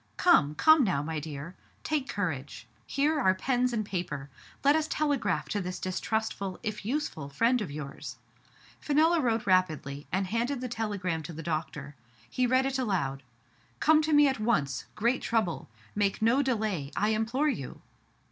Come ! come now, my dear. Take courage. Here are pens and paper. Let us telegraph to this distrustful, if useful, friend of yours.*' Fenella wrote rapidly, and handed the tele gram to the doctor. He read it aloud :'* Come to me at once. Great trouble ! Make no delay, I implore you